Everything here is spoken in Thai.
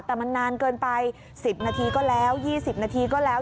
แต่มันนานเกินไป๑๐นาทีก็แล้ว๒๐นาทีก็แล้ว